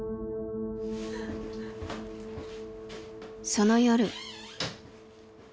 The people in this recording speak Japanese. その夜。